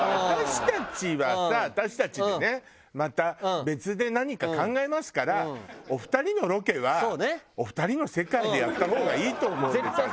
私たちはさ私たちでねまた別で何か考えますからお二人のロケはお二人の世界でやった方がいいと思うんです私。